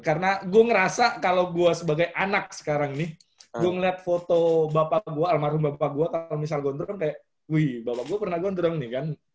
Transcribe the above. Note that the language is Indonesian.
karena gua ngerasa kalo gua sebagai anak sekarang nih gua ngeliat foto bapak gua almarhum bapak gua kalo misal gondrong kayak wih bapak gua pernah gondrong nih kan